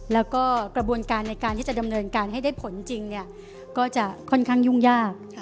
แล้วก็กระบวนการในการที่จะดำเนินการให้ได้ผลจริงก็จะค่อนข้างยุ่งยาก